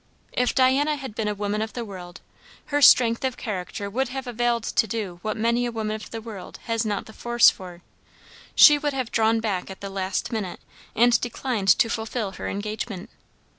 If Diana had been a woman of the world, her strength of character would have availed to do what many a woman of the world has not the force for; she would have drawn back at the last minute and declined to fulfil her engagement.